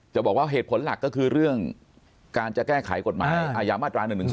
บอกว่าเหตุผลหลักก็คือเรื่องการจะแก้ไขกฎหมายอาญามาตรา๑๑๒